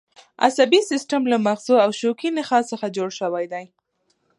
عصبي سیستم له مغزو او شوکي نخاع څخه جوړ شوی دی